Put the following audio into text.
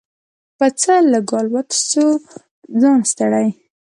په څه لږو الوتو سو په ځان ستړی